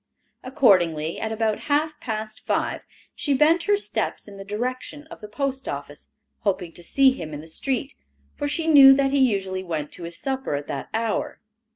Accordingly, at about half past five she bent her steps in the direction of the post office, hoping to see him in the street, for she knew that he usually went to his supper at that hour.